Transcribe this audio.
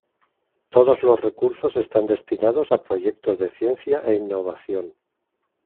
Todos los recursos están destinados a proyectos de ciencia e innovación.